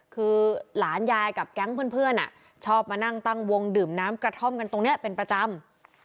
คือหลานยายกับแก๊งเพื่อนชอบมานั่งตั้งวงดื่มน้ำกระท่อมกันตรงนี้เป็นประจำ